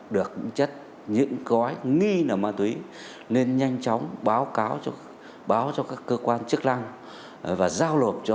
được chất những gói nghi là ma túy nên nhanh chóng báo cáo báo cho các cơ quan chức năng và giao lộp cho